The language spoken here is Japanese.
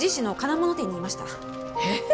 えっ？